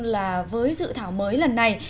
là với dự thảo mới lần này